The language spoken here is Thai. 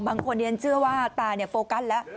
บางคนจะเชื่อว่าตาเนี่ยโฟกัสละ